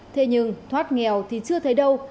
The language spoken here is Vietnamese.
thế nhưng thoát nghèo thì chưa thấy đâu